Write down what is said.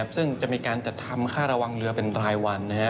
ซึ่งจะมีการจัดทำค่าระวังเรือเป็นรายวัน